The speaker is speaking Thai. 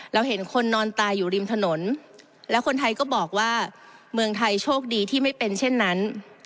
เห็นคนนอนตายอยู่ริมถนนแล้วคนไทยก็บอกว่าเมืองไทยโชคดีที่ไม่เป็นเช่นนั้น